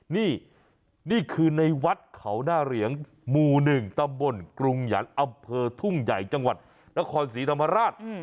นี่นี่คือในวัดเขาหน้าเหรียงหมู่๑ตำบลกรุงหยันต์อำเภอทุ่งใหญ่จังหวัดนครศรีธรรมราช